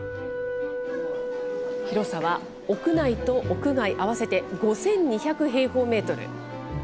広さは屋内と屋外合わせて５２００平方メートル。